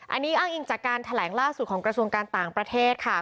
อันนี้อ้างอิงจากการแถลงล่าสุดของกระทรวงการต่างประเทศค่ะ